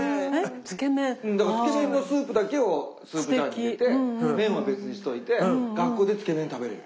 だからつけ麺のスープだけをスープジャーに入れて麺は別にしといて学校でつけ麺食べれる。